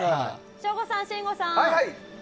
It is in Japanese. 省吾さん、信五さん。